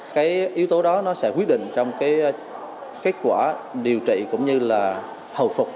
cái yếu tố đó nó sẽ quyết định trong cái kết quả điều trị cũng như là hồi phục